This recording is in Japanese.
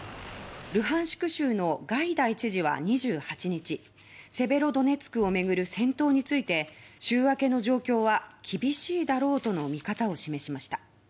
ルハンシク州のガイダイ知事は、２８日セベロドネツクをめぐる戦闘について週明けの状況は厳しいだろうとの見方を示しました。